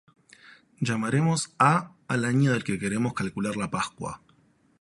Llamaremos "A" al año del que queremos calcular la Pascua.